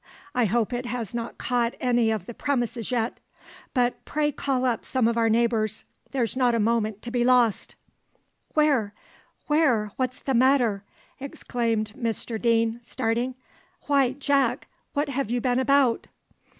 I hope it has not caught any of the premises yet; but pray call up some of our neighbours, there's not a moment to be lost!" "Where! where! what's the matter?" exclaimed Mr Deane, starting. "Why, Jack, what have you been about?"